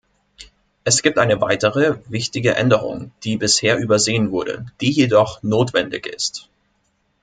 Es gibt eine weitere wichtige Änderung, die bisher übersehen wurde, die jedoch notwendig ist.